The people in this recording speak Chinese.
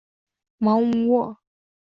芒乌沃。